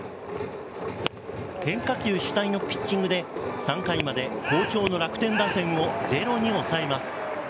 変化球主体のピッチングで３回まで好調の楽天打線をゼロに抑えます。